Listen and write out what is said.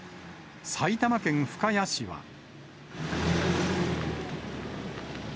埼玉県深谷市は。